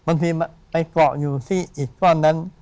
มันไหวไปเกาะอยู่กับอิตก้อนนั้น